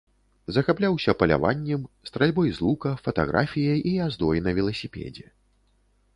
Захапляўся паляваннем, стральбой з лука, фатаграфіяй і яздой на веласіпедзе.